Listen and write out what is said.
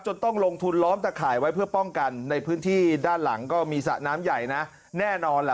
ต้องลงทุนล้อมตะข่ายไว้เพื่อป้องกันในพื้นที่ด้านหลังก็มีสระน้ำใหญ่นะแน่นอนล่ะ